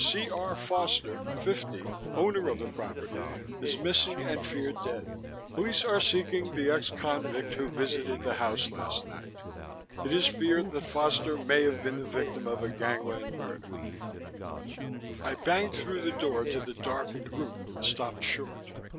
C.R. Foster, 50, owner of the property, is missing and feared dead. Police are seeking the ex convict who visited the house last night. It is feared that Foster may have been the victim of a gangland murder. I banged through the door to the darkened room and stopped short.